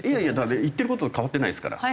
言ってる事は変わってないですから。